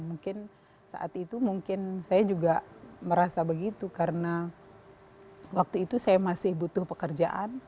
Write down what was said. mungkin saat itu mungkin saya juga merasa begitu karena waktu itu saya masih butuh pekerjaan